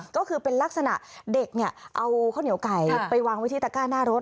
ก็คือเป็นลักษณะเด็กเนี่ยเอาข้าวเหนียวไก่ไปวางไว้ที่ตะก้าหน้ารถ